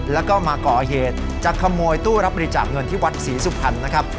แล้วก็มาก่อเหตุจะขโมยตู้รับบริจาคเงินที่วัดศรีสุพรรณนะครับ